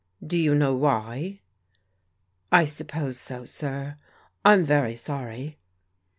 "Do you know why?" " I suppose so, sir. I'm very sorry."